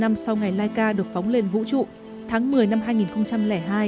bốn mươi năm năm sau ngày laika được phóng lên vũ trụ tháng một mươi năm hai nghìn hai